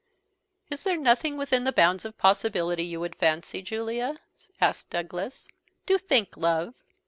"Is there nothing within the bounds of possibility you would fancy, Julia?" asked Douglas. "Do think, love."